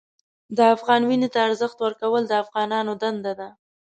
د افغان وینې ته ارزښت ورکول د افغانانو دنده ده.